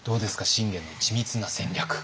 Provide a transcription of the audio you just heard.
信玄の緻密な戦略。